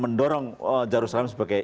mendorong yerusalem sebagai